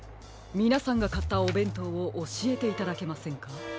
みなさんがかったおべんとうをおしえていただけませんか？